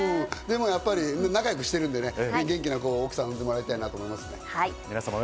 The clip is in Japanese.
仲良くしてるんでね、元気な子を奥さんに産んでもらいたいと思います。